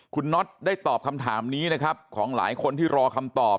คุณน็อตได้ตอบคำถามนี้นะครับของหลายคนที่รอคำตอบ